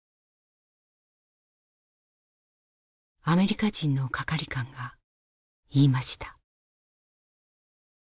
アメリカ人の係官が言いました。